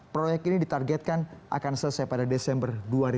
proyek ini ditargetkan akan selesai pada desember dua ribu dua puluh